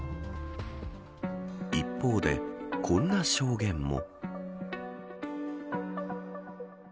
一方で、こんな証言も。